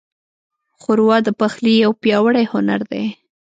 ښوروا د پخلي یو پیاوړی هنر دی.